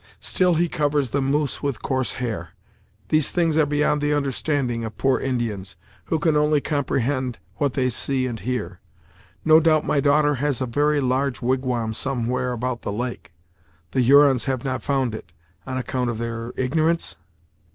Still He covers the Moose with coarse hair. These things are beyond the understanding of poor Indians, who can only comprehend what they see and hear. No doubt my daughter has a very large wigwam somewhere about the lake; the Hurons have not found it, on account of their ignorance?"